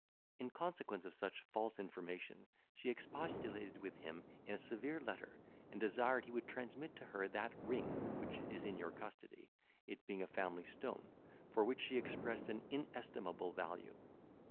In consequence of such false information, she expostulated with him in a severe letter, and desired he would transmit to her that ring which is in your custody, it being a family stone, for which she expressed an inestimable value.